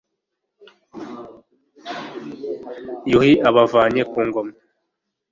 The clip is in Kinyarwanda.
Yuhi abavanye ku ngoma